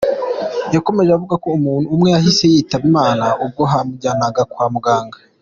Yakomje avuga ko umuntu umwe yahise yitaba Imana ubwo bamujyanaga kwa muganga.